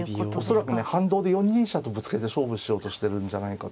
恐らくね反動で４二飛車とぶつけて勝負しようとしてるんじゃないかと。